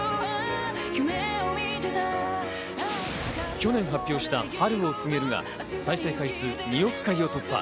去年発表した『春を告げる』が再生回数２億回を突破。